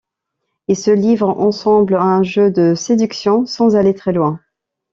Ils se livrent ensemble à un jeu de séduction sans aller très loin.